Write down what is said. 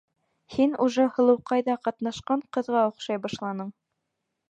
Һин уже «Һылыуҡай»ҙа ҡатнашҡан ҡыҙға оҡшай башланың!